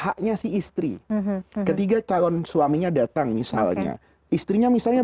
haknya si istri ketiga calon suaminya datang misalnya istrinya misalnya